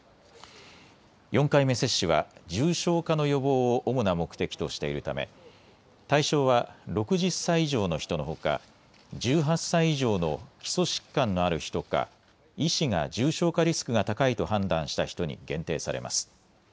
４回目接種は重症化の予防を主な目的としているため対象は６０歳以上の人のほか１８歳以上の基礎疾患のある人か医師が重症化リスクが高いと判断した人に限定されます。